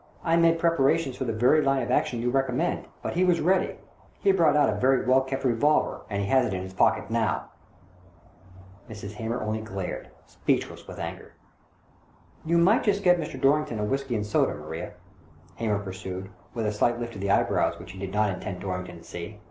I made preparations for the very line of action you recommend, but he was ready. He brought out a very well kept revolver, and he has it in his pocket now !" Mrs. Hamer only glared, speechless with anger. " You might just get Mr. Dorrington a whisky and soda, Maria," Hamer pursued, with a slight lift of the eyebrows which he did not intend Dorrington to see.